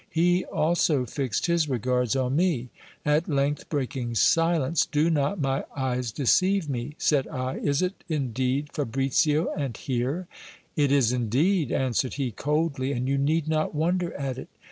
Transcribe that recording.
He also fixed his regards on me. At length breaking silence : Do not my eyes deceive me ? said I. Is it indeed Fabricio, and here ? It is indeed, answered he, coldly, and you need not wonder at it.